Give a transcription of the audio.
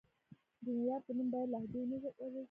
د معیار په نوم باید لهجې ونه وژل شي.